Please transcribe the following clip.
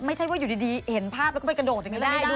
ไม่ใช่ว่าอยู่ดีเห็นภาพแล้วก็ไปกระโดดอย่างนี้ได้ด้วย